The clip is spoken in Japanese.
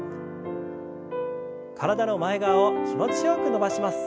体の前側を気持ちよく伸ばします。